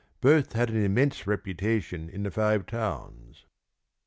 Both had an immense reputation in the Five Towns.